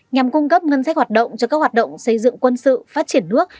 nhằm cung cấp ngân sách hoạt động cho các hoạt động xây dựng quân sự phát triển nước